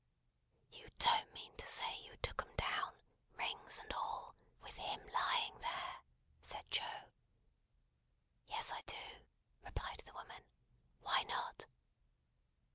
"You don't mean to say you took 'em down, rings and all, with him lying there?" said Joe. "Yes I do," replied the woman. "Why not?"